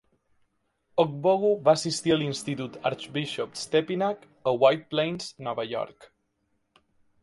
Ogbogu va assistir a l'institut Archbishop Stepinac a White Plains, Nova York.